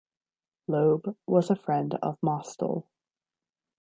Loeb was a friend of Mostel.